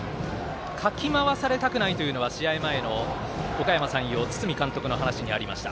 かき回されたくないというのは試合前のおかやま山陽堤監督の話がありました。